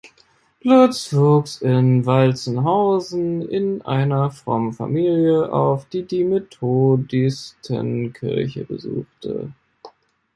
Lutz wuchs in Walzenhausen in einer frommen Familie auf, die die Methodistenkirche besuchte.